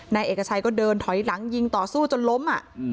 นายเอกชัยก็เดินถอยหลังยิงต่อสู้จนล้ม